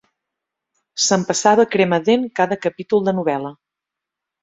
S'empassava a crema-dent cada capítol de novel·la